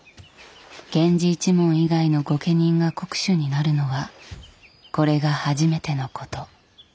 源氏一門以外の御家人が国守になるのはこれが初めてのこと。